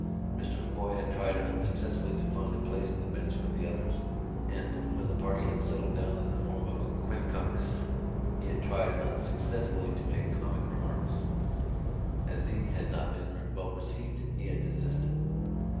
Mr M'Coy had tried unsuccessfully to find a place in the bench with the others and, when the party had settled down in the form of a quincunx, he had tried unsuccessfully to make comic remarks. As these had not been well received he had desisted.